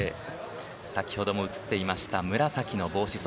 先ほども映っていた紫の帽子